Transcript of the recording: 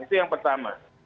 itu yang pertama